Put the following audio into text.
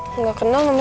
lo gak kenal nomernya